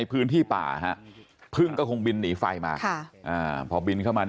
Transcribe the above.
ผู้ถ่อช่วยดีจริงค่ะ